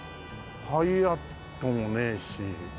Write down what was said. ハイアットもねえし。